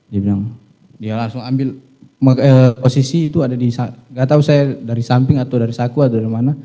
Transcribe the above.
dia bilang dia langsung ambil posisi itu ada di nggak tahu saya dari samping atau dari saku atau dari mana